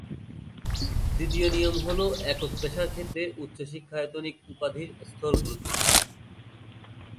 তৃতীয় নিয়ম হল একক পেশার ক্ষেত্রে উচ্চশিক্ষায়তনিক উপাধির স্তর গুরুত্বপূর্ণ।